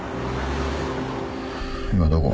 今どこ？